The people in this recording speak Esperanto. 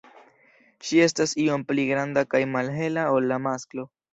Ŝi estas iom pli granda kaj malhela ol la masklo.